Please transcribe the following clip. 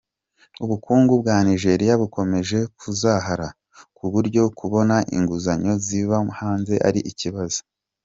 Ubukungu bwa Nigeria bukomeje kuzahara, ku buryo kubona inguzanyo ziva hanze ari ikibazo.